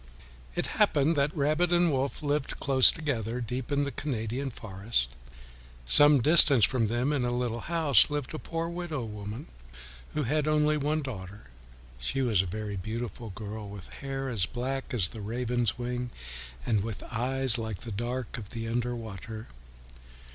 It happened that Rabbit and Wolf lived close together, deep in the Canadian forest. Some distance from them, in a little house, lived a poor widow woman who had only one daughter. She was a very beautiful girl, with hair as black as the raven's wing, and with eyes like the dark of the underwater.